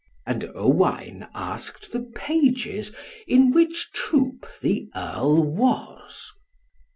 And Owain asked the pages in which troop the Earl was.